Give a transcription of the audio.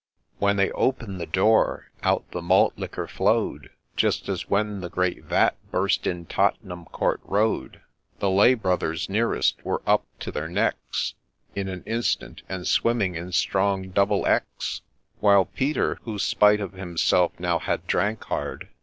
— When they open'd the door out the malt liquor flow'd, Just as when the great Vat burst in Tott'n'am Court Road ; The Lay brothers nearest were up to their necks In an instant, and swimming in strong double X ; While Peter, who, spite of himself now had drank hard.